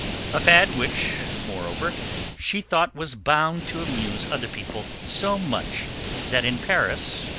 A fad which, moreover, she thought was bound to amuse other people so much that in Paris, when M.